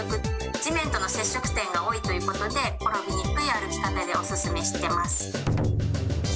地面との接触点が多いということで、転びにくい歩き方でお勧めしています。